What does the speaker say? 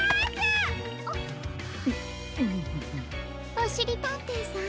おしりたんていさん